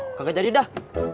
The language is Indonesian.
nggak jadi dah